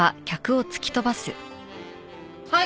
はい！